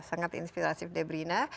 sangat inspirasif debrina